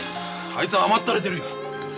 あいつは甘ったれてるよ。